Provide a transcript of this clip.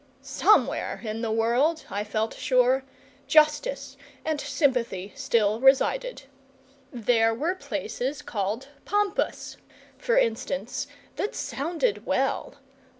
Some where in the world, I felt sure, justice and sympathy still resided. There were places called pampas, for instance, that sounded well.